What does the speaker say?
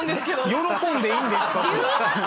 喜んでいいんですかね？